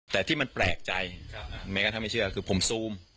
แต่ที่มันแปลกใจแม้กระทั่งไม่เชื่อคือผมซูม